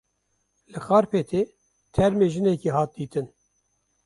Li Xarpêtê termê jinekê hat dîtin.